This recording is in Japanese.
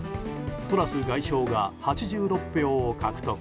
トラス外相が８６票を獲得。